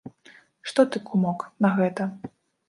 Што ты, кумок, на гэта?